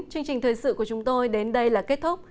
chương trình thời sự của chúng tôi đến đây là kết thúc